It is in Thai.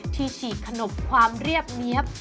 ฉีกขนบความเรียบเนี๊ยบ